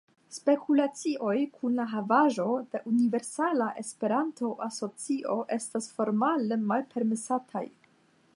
Spekulacioj kun la havaĵo de Universala Esperanto Asocio estas formale malpermesataj.